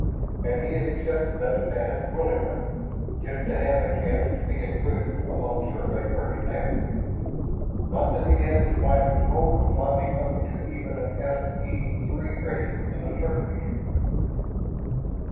And he had accepted that status willingly, just to have a chance to be included among Survey personnel. Not that he had the slightest hope of climbing up to even an S E Three rating in the service.